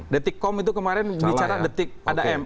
detikkom itu kemarin bicara detik ada m